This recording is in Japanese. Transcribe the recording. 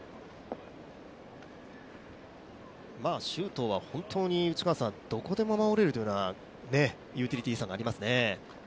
周東は本当に、どこでも守れるというようなユーティリティーさがありますね。